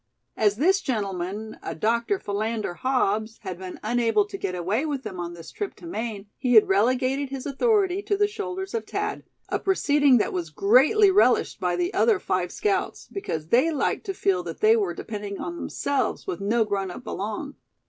As this gentleman, a Dr. Philander Hobbs, had been unable to get away with them on this trip to Maine, he had relegated his authority to the shoulders of Thad; a proceeding that was greatly relished by the other five scouts, because they liked to feel that they were depending on themselves, with no grown up along.